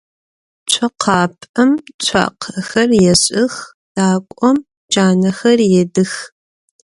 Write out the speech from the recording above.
Цокъапӏэм цуакъэхэр ешӏых, дакӏом джанэхэр едых.